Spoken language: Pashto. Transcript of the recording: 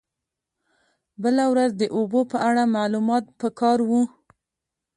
بله ورځ د اوبو په اړه معلومات په کار و.